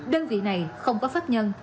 đơn vị này không có pháp nhân